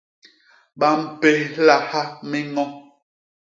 Ba mpéhlaha miño.